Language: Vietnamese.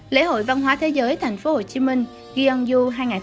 lễ hội văn hóa thế giới thành phố hồ chí minh gyeongju hai nghìn một mươi bảy